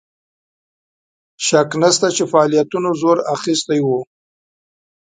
شک نسته چې فعالیتونو زور اخیستی وو.